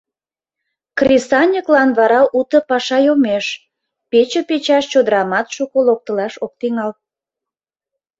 Кресаньыклан вара уто паша йомеш, пече печаш чодырамат шуко локтылаш ок тӱҥал.